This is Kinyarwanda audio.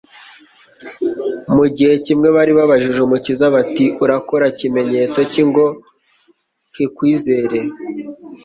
Mu gihe kimwe bari babajije Umukiza bati: «Urakora kimenyetso ki ngo hlkwizere?»